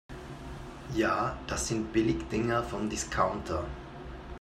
Ja, das sind Billigdinger vom Discounter.